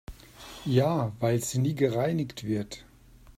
Ja, weil sie nie gereinigt wird.